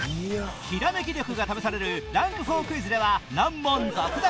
ひらめき力が試されるランク４クイズでは難問続々！